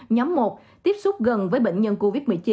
nhóm một tiếp xúc gần với bệnh nhân covid một mươi chín